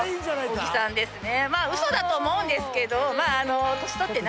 小木さんですね。